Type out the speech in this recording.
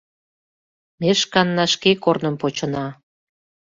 — Ме шканна шке корным почына.